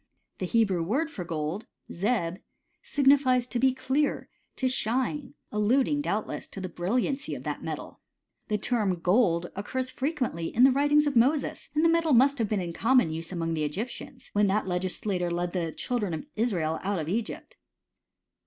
The Hebrew word for gold, ^"Tt {zeb) signifies to be clear, to shine ; alluding, doubtless, to the brilliancy of that metal. The term ffold occurs frequently in the writings of Moses, and the metal must have oeen in common use among the Egyptians, when that legislator led the children of Israel out of Egypt.